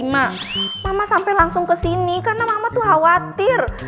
mak mama sampai langsung ke sini karena mama tuh khawatir